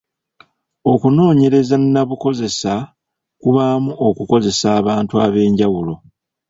Okunoonyereza nnabukozesa kubaamu okukozesa abntu ab'enjawulo.